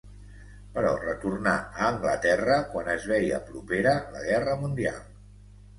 Però retornà a Anglaterra quan es veia propera la Guerra Mundial.